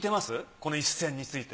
この一戦について。